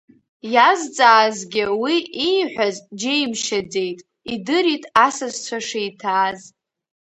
Иазҵаазгьы уи ииҳәаз џьеимшьаӡеит, идырит асасцәа шиҭааз.